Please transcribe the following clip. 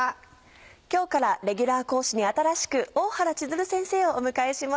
今日からレギュラー講師に新しく大原千鶴先生をお迎えします。